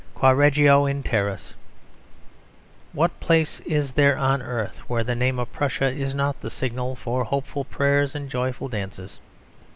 Quae reggio in terris ... What place is there on earth where the name of Prussia is not the signal for hopeful prayers and joyful dances?